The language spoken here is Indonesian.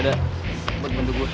gue mesti buru buru